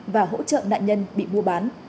và hỗ trợ nạn nhân bị mua bán